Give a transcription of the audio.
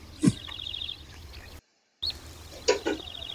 但通过分析可发现它们之间存在着共同之处。